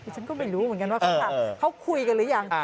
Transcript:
ฉันก็ไม่รู้เหมือนกันว่าเขาถามเขาคุยกันหรือยัง